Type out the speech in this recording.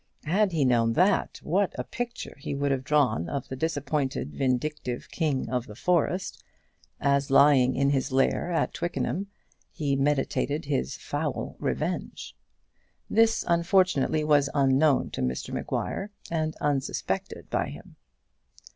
Had he known that, what a picture he would have drawn of the disappointed vindictive king of the forest, as lying in his lair at Twickenham he meditated his foul revenge! This unfortunately was unknown to Mr Maguire and unsuspected by him.